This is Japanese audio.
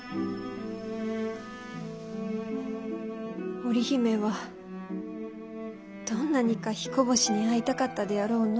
織姫はどんなにか彦星に会いたかったであろうのう。